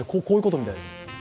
こういうことみたいです。